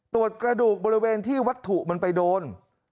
กระดูกบริเวณที่วัตถุมันไปโดน